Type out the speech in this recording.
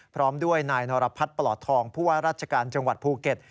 พร้อมด้วยนายนรพัฒน์ปลอดทองผู้ว่าราชการจังหวัดภูเก็ต